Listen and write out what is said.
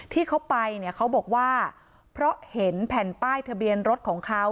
ที่เขาไปเนี่ยเขาบอกว่าเพราะเห็นแผ่นป้ายทะเบียนรถของเขา